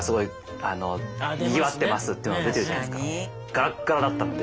ガラッガラだったんで。